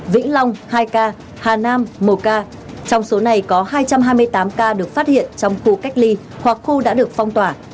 vĩnh long hai ca hà nam một ca trong số này có hai trăm hai mươi tám ca được phát hiện trong khu cách ly hoặc khu đã được phong tỏa